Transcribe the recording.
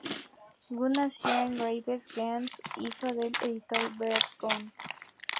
Gunn nació en Gravesend, Kent, hijo del editor Bert Gunn.